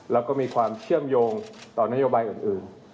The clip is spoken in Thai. แล้วก็มีความเชื่อมโยงต่อนโยบายอื่น